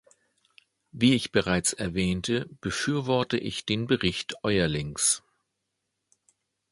Wie ich bereits erwähnte, befürworte ich den Bericht Eurlings.